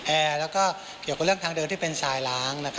แอร์แล้วก็เกี่ยวกับเรื่องทางเดินที่เป็นทรายล้าง